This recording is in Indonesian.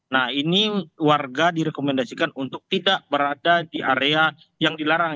nah ini warga direkomendasikan untuk tidak berada di area yang dilarang